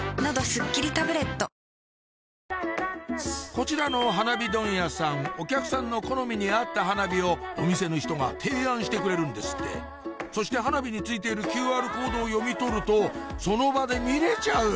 こちらの花火問屋さんお客さんの好みに合った花火をお店の人が提案してくれるんですってそして花火に付いているＱＲコードを読み取るとその場で見れちゃう！